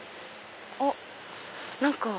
あっ何か。